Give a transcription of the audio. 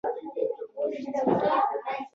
په مالي سیستم کې اصلاحات و.